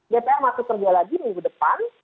dpr masih kerja lagi minggu depan